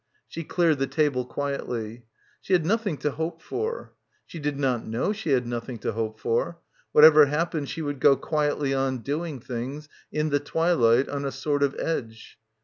She cleared the table quietly. She had nothing to hope for. She did not know she had nothing to hope for. What ever happened she would go quietly on doing things ... in the twilight ... on a sort of edge.